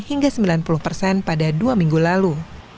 hingga sembilan puluh persen pada dua minggu lalu